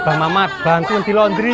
bang mamat bantu nanti londri